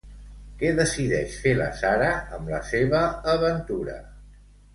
Què decideix fer la Sarah amb la seva aventura?